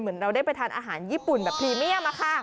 เราได้ไปทานอาหารญี่ปุ่นแบบพรีเมียม